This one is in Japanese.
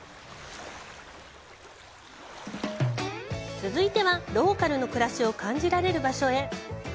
続いては、ローカルの暮らしを感じられる場所へ。